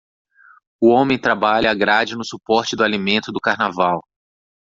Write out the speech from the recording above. O homem trabalha a grade no suporte do alimento do carnaval.